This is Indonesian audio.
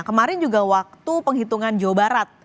kemarin juga waktu penghitungan jawa barat